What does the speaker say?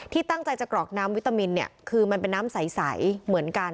ที่ตั้งใจจะกรอกน้ำวิตามินเนี่ยคือมันเป็นน้ำใสเหมือนกัน